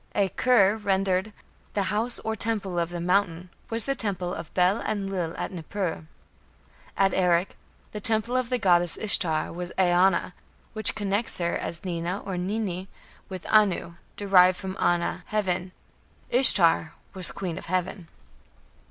E kur, rendered "the house or temple of the Mountain", was the temple of Bel Enlil at Nippur. At Erech, the temple of the goddess Ishtar was E anna, which connects her, as Nina or Ninni, with Anu, derived from "ana", "heaven". Ishtar was "Queen of heaven".